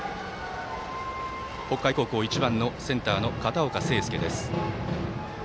北海高校、バッター１番のセンターの片岡誠亮です。